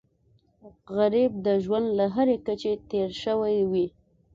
غریب د ژوند له هرې کچې تېر شوی وي